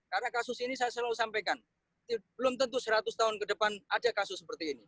karena kasus ini saya selalu sampaikan belum tentu seratus tahun ke depan ada kasus seperti ini